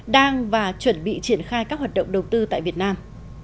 đang và chuẩn bị triển khai các hoạt động đầu tư tại việt nam